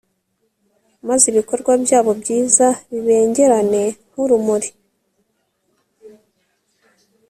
maze ibikorwa byabo byiza, bibengerane nk'urumuri